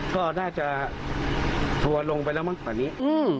ก็น่าจะทัวร์ลงไปแล้วมั้งตอนนี้